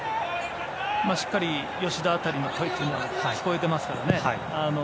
しっかりと吉田辺りの声が聞こえていますからね。